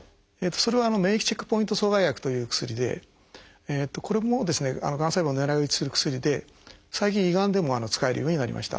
それは「免疫チェックポイント阻害薬」という薬でこれもがん細胞を狙い撃ちする薬で最近胃がんでも使えるようになりました。